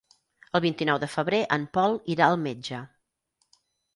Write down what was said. El vint-i-nou de febrer en Pol irà al metge.